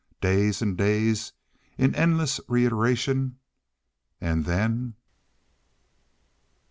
Days and days in endless reiteration, and then—?